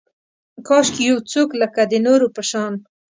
کاشکي یو څوک لکه، د نورو په شان